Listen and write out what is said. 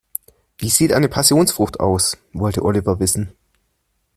"Wie sieht eine Passionsfrucht aus?", wollte Oliver wissen.